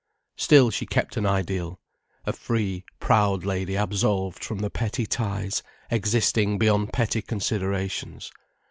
Still she kept an ideal: a free, proud lady absolved from the petty ties, existing beyond petty considerations.